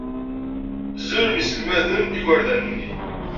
Zulen yiselmaden igerdan-nni.